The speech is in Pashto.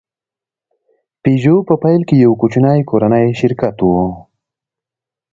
پيژو په پیل کې یو کوچنی کورنی شرکت و.